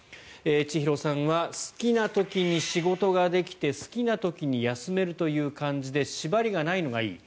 ちひろさんは好きな時に仕事ができて好きな時に休めるという感じで縛りがないのがいい。